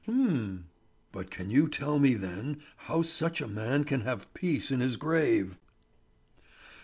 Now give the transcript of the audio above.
"H'm!" "But can you tell me then how such a man can have peace in his grave?"